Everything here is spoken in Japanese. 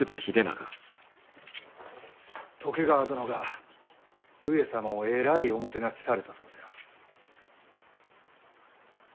徳川殿が上様をえらいおもてなしされたそうじゃ。